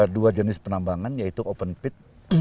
dua jenis penambangan yaitu open pit